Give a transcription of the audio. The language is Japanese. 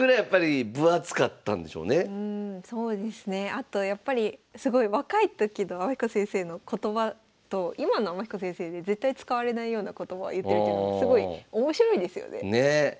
あとやっぱりすごい若い時の天彦先生の言葉と今の天彦先生で絶対使われないような言葉を言ってるっていうのもすごい面白いですよね。ね！